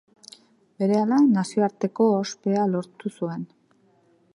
Berehala nazioarteko ospea lortu zuen.